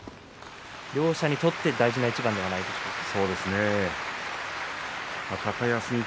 両者にとって大事な一番ではないでしょうか。